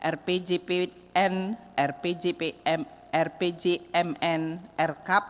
rpjpn rpjpn rpjmn rkp dan kemp ppkf